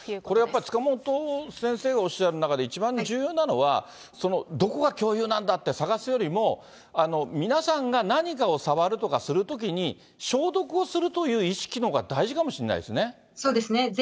これやっぱり、塚本先生がおっしゃる中で、一番重要なのは、どこが共有なんだって探すよりも、皆さんが何かを触るとかするときに、消毒をするという意識のほうが、大事かもしれないですね。